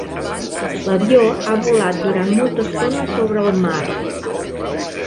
L'avió ha volat durant molta estona sobre el mar.